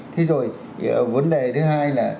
thế rồi vấn đề thứ hai là